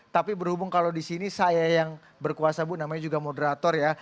tapi berhubung kalau di sini saya yang berkuasa bu namanya juga moderator ya